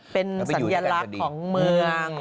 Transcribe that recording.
เป็นสัญลักษณ์ของเมือง